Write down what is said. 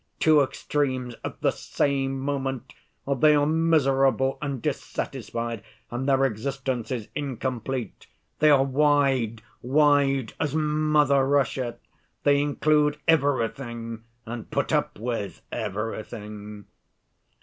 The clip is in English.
Two extremes at the same moment, or they are miserable and dissatisfied and their existence is incomplete. They are wide, wide as mother Russia; they include everything and put up with everything.